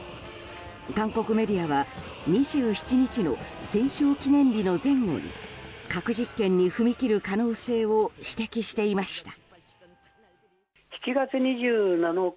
韓国メディアは２７日の戦勝記念日の前後に核実験に踏み切る可能性を指摘していました。